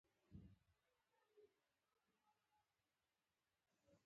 لمسی د پلار پښې نښان تعقیبوي.